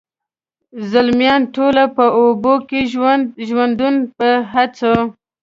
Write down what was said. زلمیان ټوله په اوبو کي د ژوندون په هڅو،